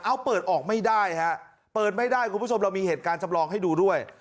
เอาเปิดออกไม่ได้ฮะเปิดไม่ได้คุณผู้ชมเรามีเหตุการณ์จำลองให้ดูด้วย